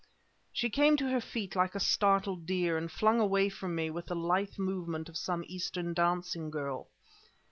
She came to her feet like a startled deer, and flung away from me with the lithe movement of some Eastern dancing girl.